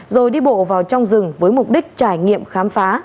rồi đi bộ vào trong rừng với mục đích trải nghiệm khám phá